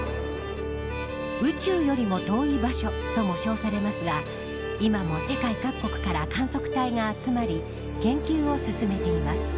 宇宙よりも遠い場所とも称されますが今も世界各国から観測隊が集まり研究を進めています。